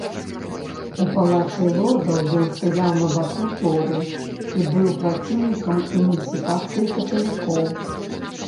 У палаце лордаў ён стаяў на баку торы і быў праціўнікам эмансіпацыі каталікоў.